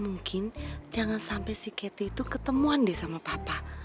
mungkin jangan sampai si keti itu ketemuan deh sama papa